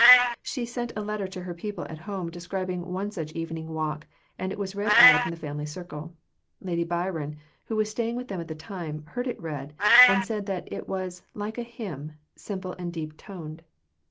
She sent a letter to her people at home describing one such evening walk, and it was read out in the family circle. Lady Byron, who was staying with them at the time, heard it read, and said that it was "like a hymn simple and deep toned."